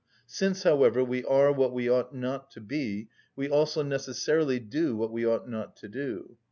Since, however, we are what we ought not to be, we also necessarily do what we ought not to do.